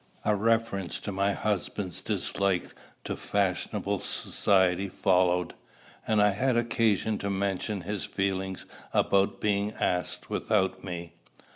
A reference to my husband's dislike to fashionable society followed, and I had occasion to mention his feeling about being asked without me.